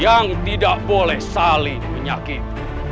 yang tidak boleh saling menyakit